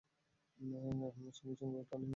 সঙ্গে করে ওটা নিয়ে যাও।